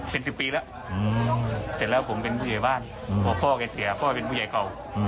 เป็นสิบปีแล้วเสร็จแล้วผมเป็นผู้ใหญ่บ้านพ่อเป็นผู้ใหญ่เก่า